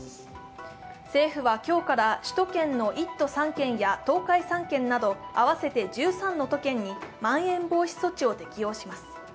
政府は今日から首都圏の１都３県や東海３県など合わせて１３の都県にまん延防止措置を適用します。